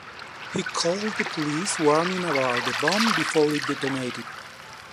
He called the police, warning about the bomb before it detonated.